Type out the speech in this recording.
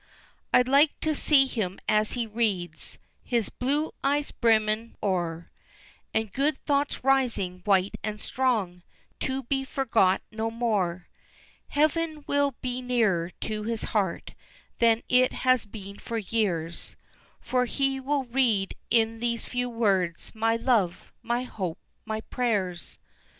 _ I'd like to see him as he reads, His blue eyes brimming o'er, And good thoughts rising white and strong To be forgot no more; Heaven will be nearer to his heart Than it has been for years, For he will read in these few words My love, my hope, my prayers.